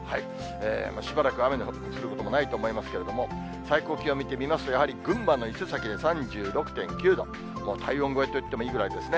しばらく雨の降ることもないと思いますけれども、最高気温見てみますと、やはり群馬の伊勢崎で３６．９度、もう体温超えと言ってもいいぐらいですね。